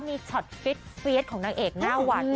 มีช็อตเฟียสของนางเอกหน้าหวัด